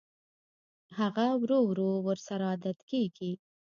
هغه ورو ورو ورسره عادت کېږي